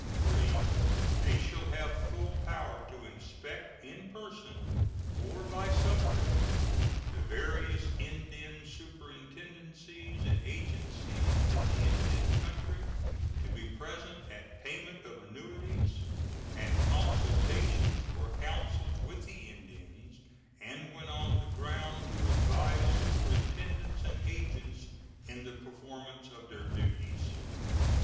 3. They shall have full power to inspect, in person or by subcommittee, the various Indian superintendencies and agencies in the Indian country, to be present at payment of annuities, at consultations or councils with the Indians, and when on the ground to advise superintendents and agents in the performance of their duties.